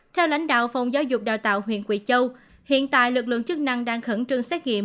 theo lãnh đạo phòng giáo dục đào tạo huyện quỳ châu hiện tại lực lượng chức năng đang khẩn trương xét nghiệm